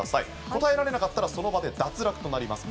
答えられなかったらその場で脱落となります。